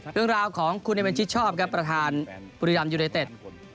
เรื่องราวของคุณเอเมนชิดชอบครับประธานบุรีรัมยูไนเต็ด